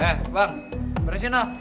eh bang beresin dong